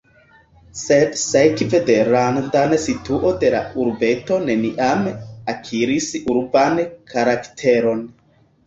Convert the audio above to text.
Sed sekve de randa situo la urbeto neniam akiris urban karakteron.